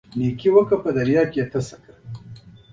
له دې وروسته بیا دغه سړک د لارې پر کلیو باندې سپور وو.